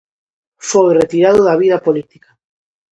Foi retirado da vida política.